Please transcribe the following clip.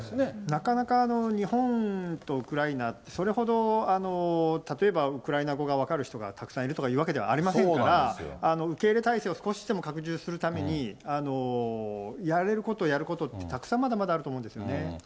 なかなか、日本とウクライナ、それほど例えばウクライナ語が分かる人がたくさんいるとかいうわけではありませんから、受け入れ態勢を少しでも拡充するために、やれること、やることって、たくさんまだまだあると思うんですよね。